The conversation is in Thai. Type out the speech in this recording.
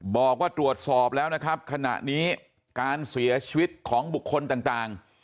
บอกว่าตรวจสอบแล้วนะครับขณะนี้การเสียชีวิตของบุคคลต่าง